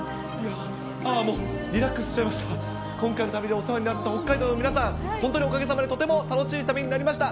リラックスしちゃいました、今回の旅でお世話になった北海道の皆さん、本当におかげさまで、とても楽しい旅になりました。